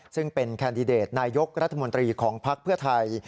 ซึ่งเป็นแคนดิเดตนายกรัฐมนตรีของภักดิ์เพื่อไทย